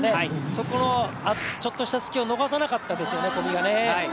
そこのちょっとした隙を逃さなかったですよね、小見がね。